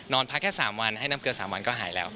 นอนพักแค่สามวันให้น้ำเกลียดสามวันก็หายแล้ว